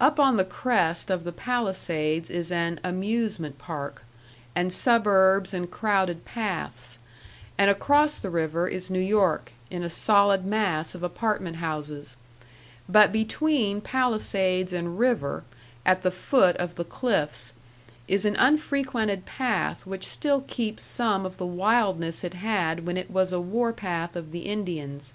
Up on the crest of the Palisades is an "amusement park," and suburbs and crowded paths; and across the river is New York, in a solid mass of apartment houses; but between Palisades and river, at the foot of the cliffs, is an unfrequented path which still keeps some of the wildness it had when it was a war path of the Indians.